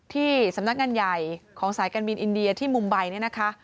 ที่สำนักงานใหญ่ของสายการบินอินเดียที่มุมใบเนี่ยนะคะ